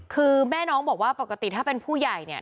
คือแม่น้องบอกว่าปกติถ้าเป็นผู้ใหญ่เนี่ย